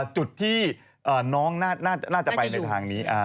จุดที่น้องน่าจะไปในทางนี้